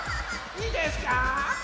いいですか？